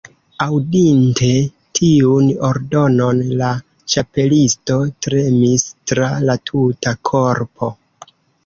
Aŭdinte tiun ordonon la Ĉapelisto tremis tra la tuta korpo.